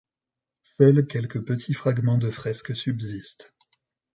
Seuls quelques petits fragments de fresques subsistent.